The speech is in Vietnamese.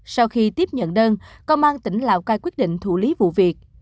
sau khi tiếp nhận đơn công an tỉnh lào cai quyết định thủ lý vụ việc